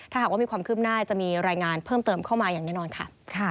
ถ้าหากว่ามีความคืบหน้าจะมีรายงานเพิ่มเติมเข้ามาอย่างแน่นอนค่ะ